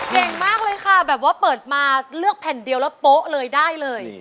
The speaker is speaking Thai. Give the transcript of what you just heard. เก่งมากเลยค่ะแบบว่าเปิดมาเลือกแผ่นเดียวแล้วโป๊ะเลยได้เลย